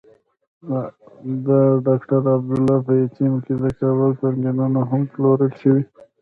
د ډاکټر عبدالله په ټیم کې د کابل پارکېنګونه هم پلورل شوي.